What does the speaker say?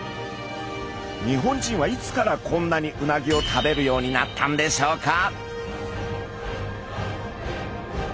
日本人はいつからこんなにうなぎを食べるようになったんでしょうか？